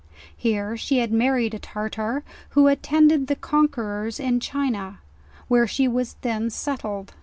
Here she had married a Tartar, who had attend ed tliQ conquerors in China, where she was then settled.